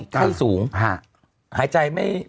ไข้สูงหายใจไม่